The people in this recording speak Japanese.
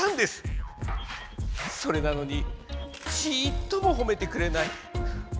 それなのにちっともほめてくれない。